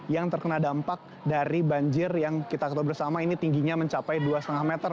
yang terkena dampak dari banjir yang kita ketahui bersama ini tingginya mencapai dua lima meter